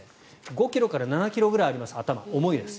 ５ｋｇから７ｋｇぐらいあります頭、重いです。